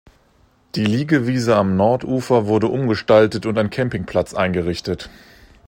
Die Liegewiese am Nordufer wurde umgestaltet und ein Campingplatz eingerichtet.